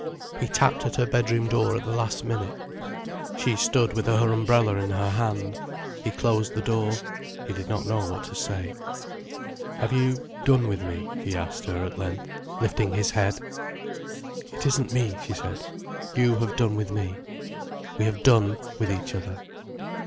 He tapped at her bedroom door at the last minute. She stood with her umbrella in her hand. He closed the door. He did not know what to say. "Have you done with me?" he asked her at length, lifting his head. "It isn't me," she said. "You have done with me—we have done with each other."